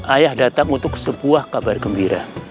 ayah datang untuk sebuah kabar gembira